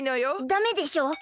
ダメでしょ。